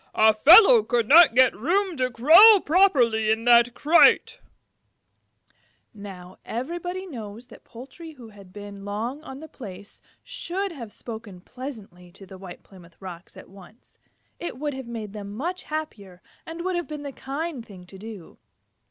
A fellow could not get room to crow properly in that crate." [Illustration: TOOK THE NEW COMERS OUT, ONE AT A TIME. Page 88] Now everybody knows that the poultry who had been long on the place should have spoken pleasantly to the White Plymouth Rocks at once. It would have made them much happier and would have been the kind thing to do.